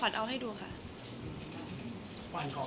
คนเราถ้าใช้ชีวิตมาจนถึงอายุขนาดนี้แล้วค่ะ